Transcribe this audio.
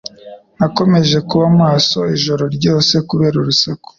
Nakomeje kuba maso ijoro ryose kubera urusaku.